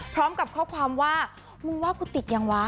พร้อมกับข้อความว่ามึงว่ากูติดยังวะ